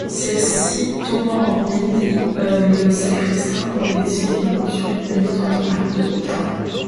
Celle-ci tombant en ruine, le sacristain aurait décidé d'en construire une autre dans Mûr-de-Bretagne.